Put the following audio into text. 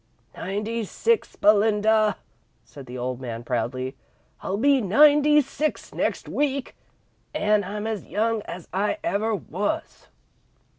"Ninety six, Belinda," said the old man, proudly. "I'll be ninety six next week, an' I'm as young as I ever was."